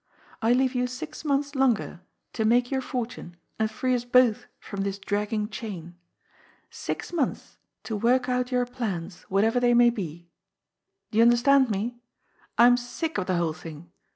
I leave you six months longer to make your fortune and free us both from this dragging chain. Six months to work out your plans, whatever they may be. Do you understand me ? I am sick of the whole thing.